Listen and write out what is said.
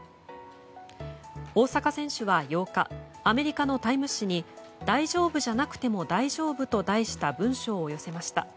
大坂選手は８日アメリカの「タイム」誌に「大丈夫じゃなくても大丈夫」と題した文章を寄せました。